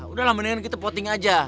udah lah mendingan kita voting aja